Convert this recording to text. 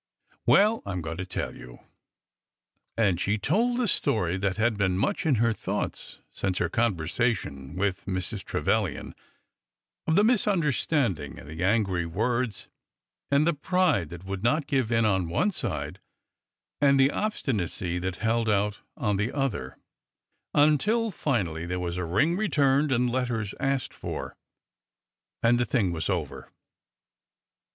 '' Well, I 'm going to tell you,"— and she told the story that had been much in her thoughts since her con versation with Mrs. Trevilian— of the misunderstanding and the angry words and the pride that would not give in on one side and the obstinacy that held out on the other —until finally there was a ring returned and letters asked for, and— the thing was over.